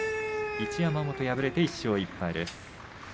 一山本、敗れて１勝１敗です。